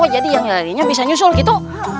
jadi yang lainnya bisa menyusul gitu